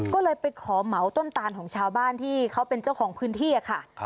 ก็เลยไปขอเหมาต้นตานของชาวบ้านที่เขาเป็นเจ้าของพื้นที่ค่ะ